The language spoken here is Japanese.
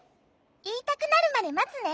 いいたくなるまでまつね。